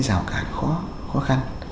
giảo cản khó khăn